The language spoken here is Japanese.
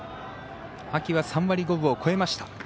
秋は３割５分を超えました。